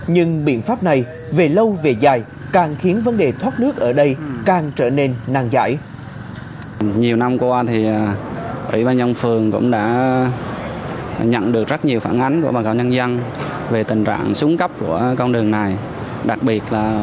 nhưng biện pháp này về lâu về dài càng khiến vấn đề thoát nước ở đây càng trở nên nang giải